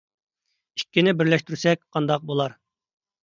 ئىككىنى بىرلەشتۈرسەك قانداق بولار؟